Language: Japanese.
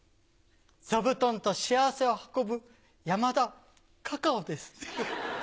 座布団と幸せを運ぶ山田カカオです。